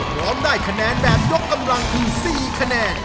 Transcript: พร้อมได้คะแนนแบบยกกำลังคือ๔คะแนน